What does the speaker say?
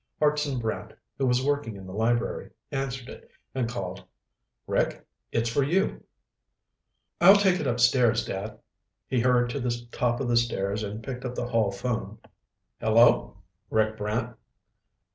Hartson Brant, who was working in the library, answered it and called, "Rick? It's for you." "I'll take it upstairs, Dad." He hurried to the top of the stairs and picked up the hall phone. "Hello?" "Rick Brant?"